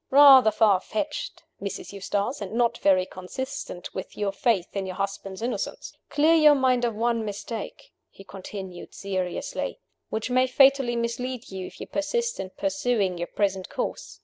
"Rather far fetched, Mrs. Eustace; and not very consistent with your faith in your husband's innocence. Clear your mind of one mistake," he continued, seriously, "which may fatally mislead you if you persist in pursuing your present course.